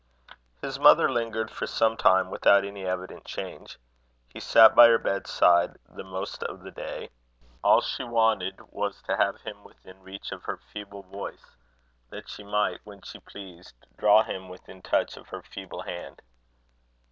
His mother lingered for some time without any evident change. He sat by her bedside the most of the day. All she wanted was to have him within reach of her feeble voice, that she might, when she pleased, draw him within touch of her feeble hand.